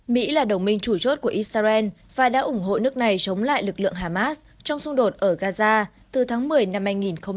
mỹ là đồng minh chủ chốt của israel và đã ủng hộ nước này chống lại lực lượng hamas trong xung đột ở gaza từ tháng một mươi năm hai nghìn một mươi ba